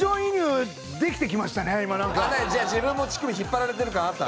かなりじゃあ自分も乳首引っ張られてる感あった？